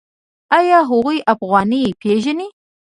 آیا هغوی افغانۍ پیژني؟